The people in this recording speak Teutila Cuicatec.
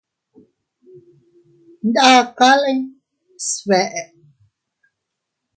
Ndakale sbeʼe.